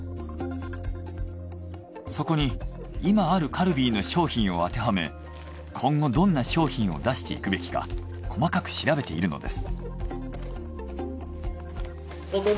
そこに今あるカルビーの商品を当てはめ今後どんな商品を出していくべきか細かく調べているのです。